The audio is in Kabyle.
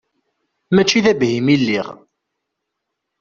Mačči d abhim i lliɣ.